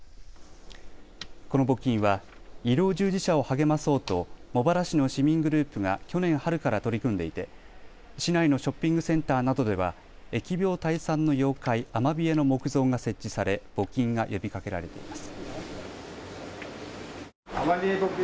この募金は医療従事者を励まそうと茂原市の市民グループが去年春から取り組んでいて市内のショッピングセンターなどでは疫病退散の妖怪、アマビエの木像が設置され募金が呼びかけられています。